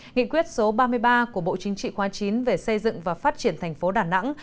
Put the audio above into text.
nghị quyết số ba mươi ba của bộ chính trị khóa chín về xây dựng và phát triển thành phố đà nẵng